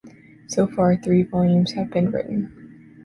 So far three volumes have been written.